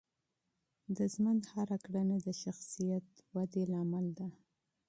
د ژوند هره کړنه د شخصیت ودې لامل ده.